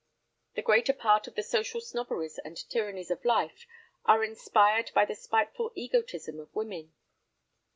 The greater part of the social snobberies and tyrannies of life are inspired by the spiteful egotism of women.